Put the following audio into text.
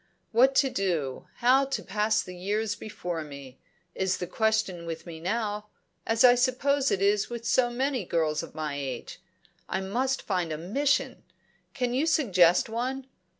"What to do how to pass the years before me is the question with me now, as I suppose it is with so many girls of my age. I must find a mission. Can you suggest one?